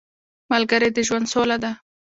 ملګری د ژوند سوله ده